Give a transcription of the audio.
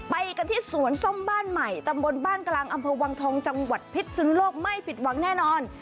ไปกันที่สวนส้มบ้านใหม่ตำบลบ้านกลางอำเภอวังทองจังหวัดพิษสุนุโลกไม่ผิดหวังแน่นอน